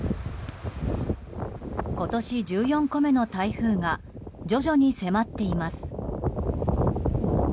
今年１４個目の台風が徐々に迫っています。